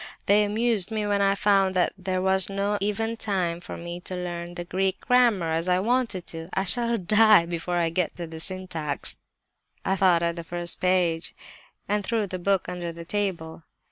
They amused me when I found that there was not even time for me to learn the Greek grammar, as I wanted to do. 'I shall die before I get to the syntax,' I thought at the first page—and threw the book under the table.